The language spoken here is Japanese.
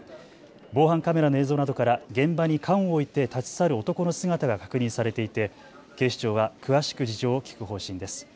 防犯カメラの映像などから現場に缶を置いて立ち去る男の姿が確認されていて警視庁は詳しく事情を聴く方針です。